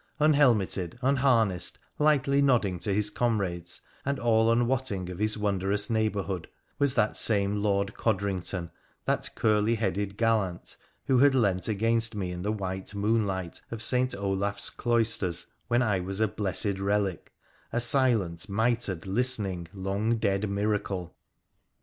— unhelmeted, unharnessed, lightly nodding to his comrades and all unwotting of his wondrous neighbourhood, was that same Lord Codrington, that curly headed gallant who had leant against me in the white moon light of St. Olaf 's cloisters when I was a blessed relic, a silent, mitred, listening, long dead miracle